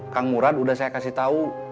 kang murad udah saya kasih tahu